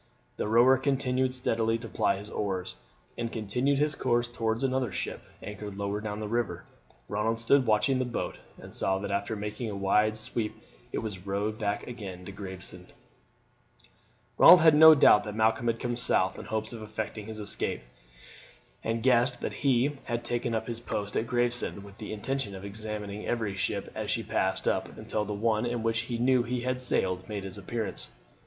The rower continued steadily to ply his oars, and continued his course towards another ship anchored lower down the river. Ronald stood watching the boat, and saw that after making a wide sweep it was rowed back again to Gravesend. Ronald had no doubt that Malcolm had come south in hopes of effecting his escape, and guessed that he had taken up his post at Gravesend with the intention of examining every ship as she passed up until the one in which he knew he had sailed made its appearance.